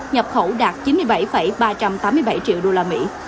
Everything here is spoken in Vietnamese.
nhập khẩu đạt chín mươi bảy ba trăm tám mươi bảy triệu đô la mỹ